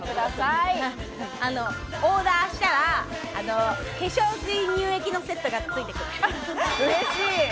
オーダーしたら、化粧水・乳液のセットがついてくる。